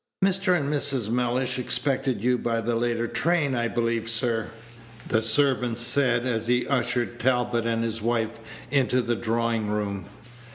"Mr. and Mrs. Mellish expected you by the later train, I believe sir," the servant said, as he ushered Talbot and his wife into the drawing room.